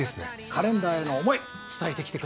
カレンダーへの思い伝えてきて下さい。